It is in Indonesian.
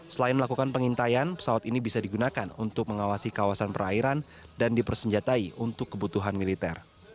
selain melakukan pengintaian pesawat ini bisa digunakan untuk mengawasi kawasan perairan dan dipersenjatai untuk kebutuhan militer